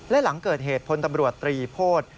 และหลังเกิดเหตุพลตำรวจตรีโพธิ